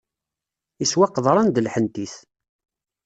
Iswa qeḍran d lḥentit.